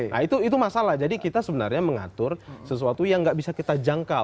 nah itu masalah jadi kita sebenarnya mengatur sesuatu yang nggak bisa kita jangkau